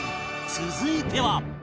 続いては